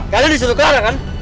kalian disuruh ke arah kan